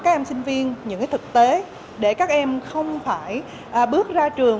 các em sinh viên những thực tế để các em không phải bước ra trường